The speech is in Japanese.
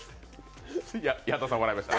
矢田さん、笑いました。